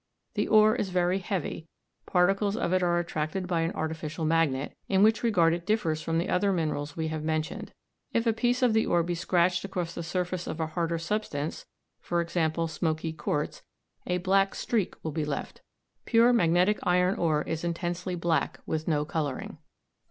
The ore is very heavy; particles of it are attracted by an artificial magnet, in which regard it differs from the other minerals we have mentioned; if a piece of the ore be scratched across the surface of a harder substance, e. g., smoky quartz, a black "streak" will be left. Pure magnetic iron ore is intensely black, with no coloring.